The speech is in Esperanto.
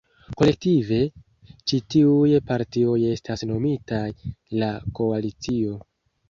Kolektive, ĉi tiuj partioj estas nomitaj la Koalicio.